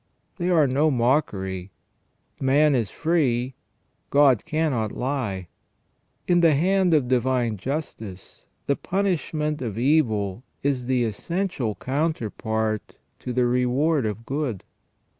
They are no mockery. Man is free : God cannot lie. In the hand of Divine Justice the punishment of evil is the essential counterpart to the reward of good.